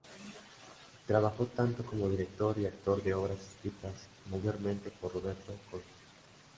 Trabajó tanto como director y actor de obras escritas mayormente por Roberto Cossa.